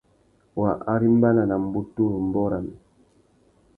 Wa arimbana nà mbutu râ ambōh râmê.